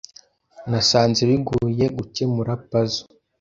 Nasanze bigoye gukemura puzzle.